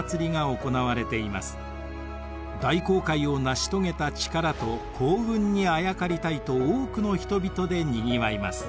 大航海を成し遂げた力と幸運にあやかりたいと多くの人々でにぎわいます。